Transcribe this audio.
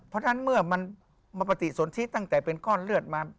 เพราะฉะนั้นเมื่อมันมาปฏิสนทิตั้งแต่เป็นก้อนเลือดมา